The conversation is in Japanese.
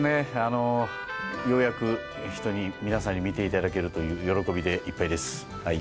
ようやく皆さんに見てもらえるという喜びでいっぱいです。